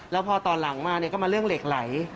แล้วพอตอนหลังมาเนี่ยก็มาเรื่องเหล็กไหล